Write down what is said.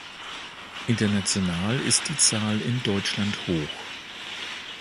International ist die Zahl in Deutschland hoch.